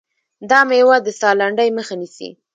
دا مېوه د ساه لنډۍ مخه نیسي.